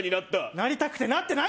なりたくてなってない！